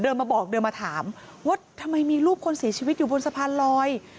มาบอกเดินมาถามว่าทำไมมีรูปคนเสียชีวิตอยู่บนสะพานลอย